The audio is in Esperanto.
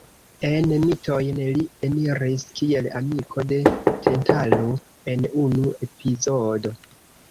En mitojn li eniris kiel amiko de Tantalo en unu epizodo.